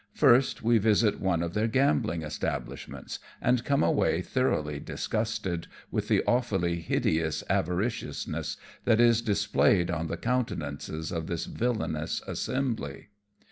First we visit one of their gambling establishments, and come away thoroughly disgusted with the awfully hideous avari ciousness that is displayed on the countenances of this villainous assembly.